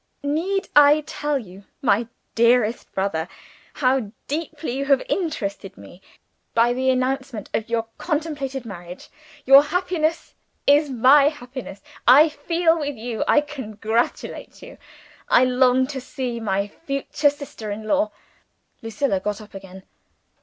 "'Need I tell you, my dearest brother, how deeply you have interested me by the announcement of your contemplated marriage? Your happiness is my happiness. I feel with you; I congratulate you; I long to see my future sister in law '" Lucilla got up again.